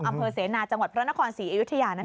อำเภอเสนาจังหวัดพระนครศรีอยุธยา